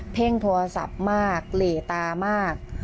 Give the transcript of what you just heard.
เพ่งโทรศัพท์มากเหลตามาก